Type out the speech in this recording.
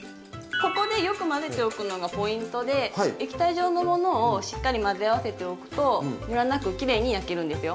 ここでよく混ぜておくのがポイントで液体状のものをしっかり混ぜ合わせておくとむらなくきれいに焼けるんですよ。